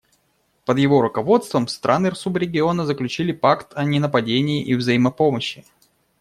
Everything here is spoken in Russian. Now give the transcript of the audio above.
Под его руководством страны субрегиона заключили пакт о ненападении и взаимопомощи.